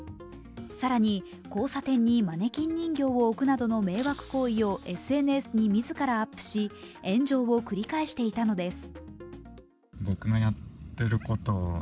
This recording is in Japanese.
さらに交差点にマネキン人形を置くなどの迷惑行為をＳＮＳに自らアップし、炎上を繰り返していたのです。